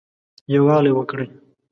يووالى وکړٸ